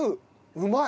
うまい！